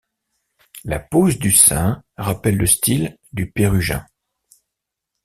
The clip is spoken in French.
La pose du saint rappelle le style du Pérugin.